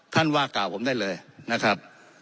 ว่ากล่าวผมได้เลยนะครับ